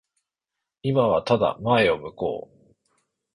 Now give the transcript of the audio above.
今はただ前を向こう。